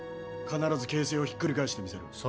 必ず形勢をひっくり返してみせる。